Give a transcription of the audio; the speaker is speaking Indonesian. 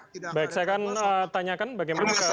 saya akan tanyakan bagaimana